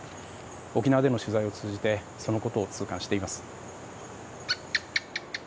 沖縄での取材を通じてそのことを痛感しています。